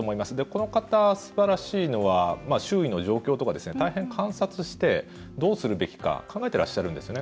この方、すばらしいのは周囲の状況とか大変、観察して、どうするべきか考えてらっしゃるんですね。